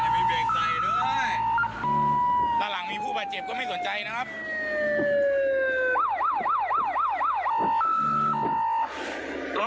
มีเบรกใส่ด้วยด้านหลังมีผู้บาดเจ็บก็ไม่สนใจนะครับ